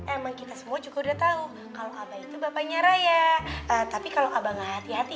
emang kita semua juga udah tahu kalau abah itu bapaknya raya tapi kalau abah gak hati hati